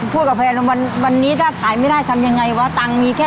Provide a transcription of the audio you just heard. กับแฟนว่าวันนี้ถ้าขายไม่ได้ทำยังไงวะตังค์มีแค่